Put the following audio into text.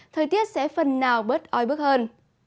thời tiết sẽ phần nào bớt ói bước hơn